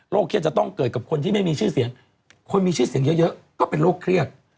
เครียดจะต้องเกิดกับคนที่ไม่มีชื่อเสียงคนมีชื่อเสียงเยอะก็เป็นโรคเครียด